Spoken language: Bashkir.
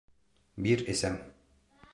— Бир, эсәм.